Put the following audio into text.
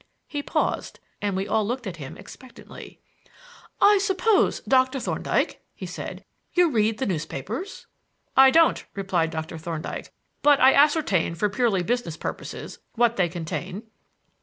He paused and we all looked at him expectantly. "I suppose, Doctor Thorndyke," he said, "you read the newspapers?" "I don't," replied Dr. Thorndyke. "But I ascertain, for purely business purposes, what they contain."